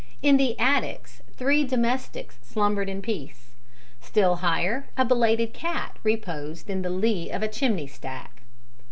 In the attics three domestics slumbered in peace. Still higher, a belated cat reposed in the lee of a chimney stack.